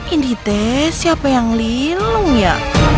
ini teh siapa yang lilung ya